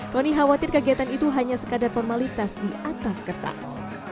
tony khawatir kegiatan itu hanya sekadar formalitas di atas kertas